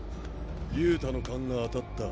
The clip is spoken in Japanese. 憂太の勘が当たった。